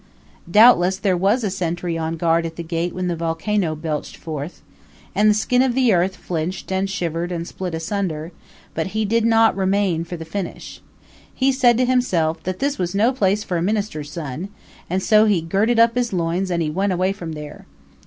Doubtless there was a sentry on guard at the gate when the volcano belched forth, and the skin of the earth flinched and shivered and split asunder; but he did not remain for the finish. He said to himself that this was no place for a minister's son; and so he girded up his loins and he went away from there.